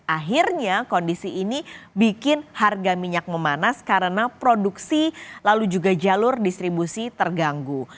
akhirnya kondisi ini bikin harga minyak memanas karena produksi lalu juga jalur distribusi terganggu